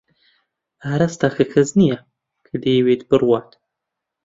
ئاراس تاکە کەس نییە کە دەیەوێت بڕوات.